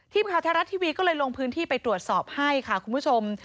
ทีมคาวแทระทิวีตื่นที่ลงพื้นที่ไปตรวจสอบให้ค่ะคุณผู้ชม